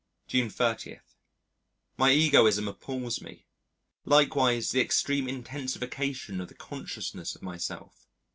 June 30. My egoism appals me. Likewise the extreme intensification of the consciousness of myself.